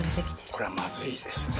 これはまずいですね。